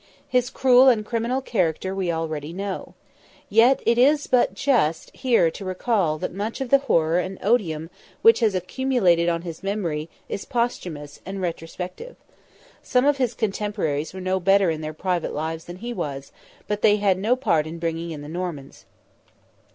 His cruel and criminal character we already know. Yet it is but just here to recall that much of the horror and odium which has accumulated on his memory is posthumous and retrospective. Some of his cotemporaries were no better in their private lives than he was; but then they had no part in bringing in the Normans.